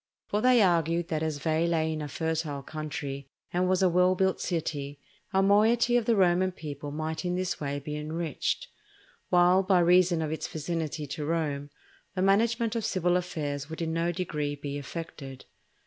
For they argued that as Veii lay in a fertile country and was a well built city, a moiety of the Roman people might in this way be enriched; while, by reason of its vicinity to Rome, the management of civil affairs would in no degree be affected.